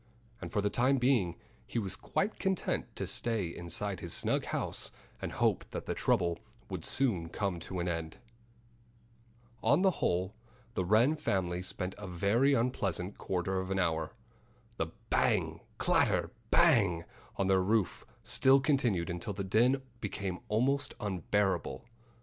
And for the time being he was quite content to stay inside his snug house and hope that the trouble would soon come to an end. On the whole, the Wren family spent a very unpleasant quarter of an hour. The bang, clatter, bang on their roof still continued until the din became almost unbearable.